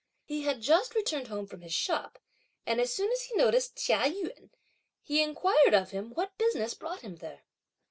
He had just returned home from his shop, and as soon as he noticed Chia Yun, he inquired of him what business brought him there.